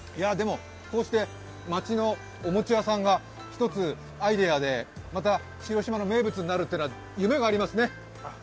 こうして町のお餅屋さんが１つ、アイデアでまた広島の名物になるというのは夢がありますね。